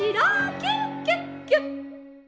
キュキュッキュッ！」。